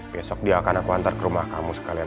besok dia akan aku antar ke rumah kamu sekalian